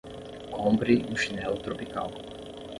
Compre um chinelo tropical